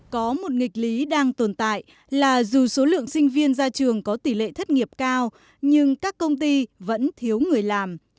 có một nghịch lý đang tồn tại là dù số lượng sinh viên ra trường có tỷ lệ thất nghiệp cao nhưng các công ty vẫn thiếu người làm